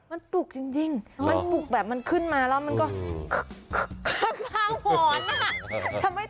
มันปลุกจริงมันปลุกมาแบบมันขึ้นมาแล้วมันก็คำน้ำตลาดไหว